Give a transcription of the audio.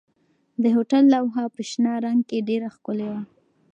د هوټل لوحه په شنه رنګ کې ډېره ښکلې وه.